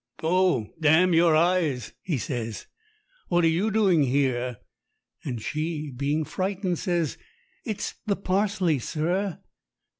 "O, damn your eyes," he says, "what are you doing here?" And she, being frightened, says, "It's the parsley, sir."